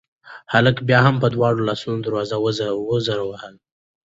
هلک بیا هم په دواړو لاسونو دروازه په زور وهي.